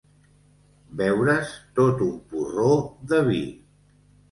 Beure's tot un porró de vi.